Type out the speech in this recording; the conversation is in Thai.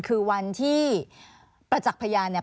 คือวันที่ประจักษ์พยานเนี่ย